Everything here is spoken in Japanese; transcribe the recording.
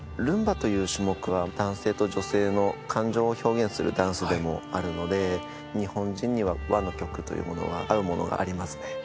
ルンバという種目は男性と女性の感情を表現するダンスでもあるので日本人には和の曲というものが合うものがありますね。